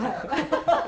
ハハハ。